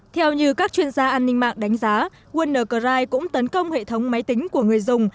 theo như các chuyên gia an ninh mạng đánh giá wony cũng tấn công hệ thống máy tính của người dùng